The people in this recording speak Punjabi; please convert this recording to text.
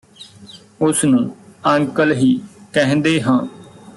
ਉਸ ਨੂੰ ਅੰਕਲ ਹੀ ਕਹਿੰਦੇ ਹਾਂ